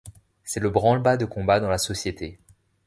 C'est le branle-bas de combat dans la société.